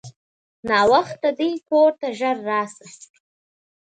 ناوخته دی کورته ژر راسه!